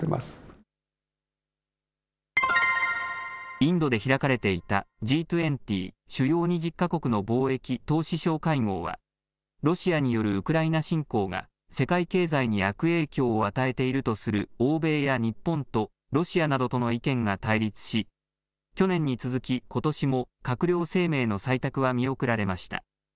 インドで開かれていた、Ｇ２０主要２０か国の貿易・投資相会合はロシアによるウクライナ侵攻が世界経済に悪影響を与えているとする欧米や日本とロシアなどとの意見が対立し去年に続き、ことしも閣僚声明の採択は見送られました。